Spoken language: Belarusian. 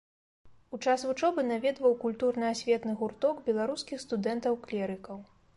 У час вучобы наведваў культурна-асветны гурток беларускіх студэнтаў-клерыкаў.